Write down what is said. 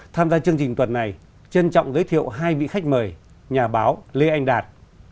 tham gia chương trình tuần này trân trọng giới thiệu hai vị khách mời nhà báo lê anh đạt